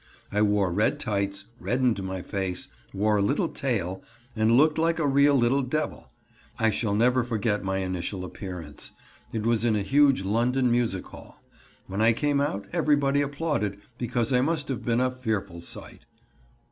I wore red tights, reddened my face, wore a little tail, and looked like a real little devil. I shall never forget my initial appearance. It was in a huge London music hall. When I came out everybody applauded because I must have been a fearful sight.